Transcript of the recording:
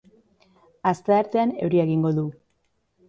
Asteartean euria egingo du.